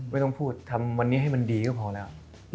ไม่ต้องพูดทำวันนี้ให้มันดีก็พอแล้ว